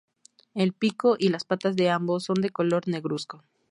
El pico y las patas de ambos son de color negruzco.